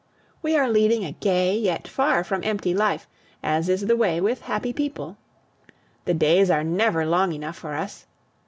We are leading a gay, yet far from empty life, as is the way with happy people. The days are never long enough for us.